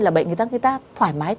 là bệnh người ta thoải mái